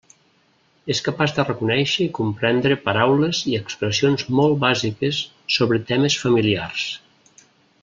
És capaç de reconéixer i comprendre paraules i expressions molt bàsiques sobre temes familiars.